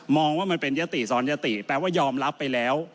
ว่ามันเป็นยติซ้อนยติแปลว่ายอมรับไปแล้ว